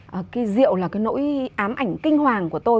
cái rượu là cái nỗi ám ảnh kinh hoàng của tôi